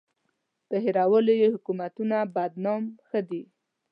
په هېرولو یې حکومتونه بدنام ښه دي.